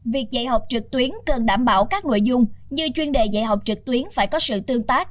việc dạy học trực tuyến cần đảm bảo các nội dung như chuyên đề dạy học trực tuyến phải có sự tương tác